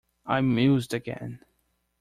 I mused again.